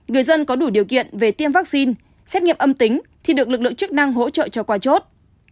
người dân có đủ điều kiện về tiêm vaccine xét nghiệm âm tính thì được lực lượng chức năng hỗ trợ cho qua chốt